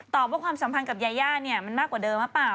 ว่าความสัมพันธ์กับยาย่าเนี่ยมันมากกว่าเดิมหรือเปล่า